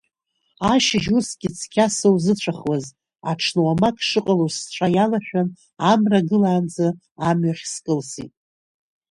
Ашьыжь, усгьы цқьа саузыцәахуаз, аҽны уамак шыҟалоз сцәа иалашәан, Амра гылаанӡа, амҩахь скылсит.